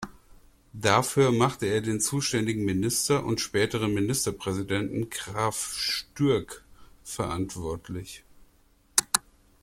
Dafür machte er den zuständigen Minister und späteren Ministerpräsidenten Graf Stürgkh verantwortlich.